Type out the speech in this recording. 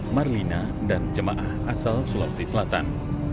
marlina dan jemaah asal sulawesi selatan